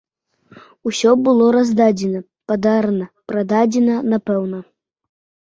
Усё было раздадзена, падарана, прададзена, напэўна.